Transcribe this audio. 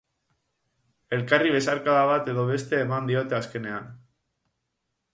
Elkarri besarkada bate do beste eman diote azkenean.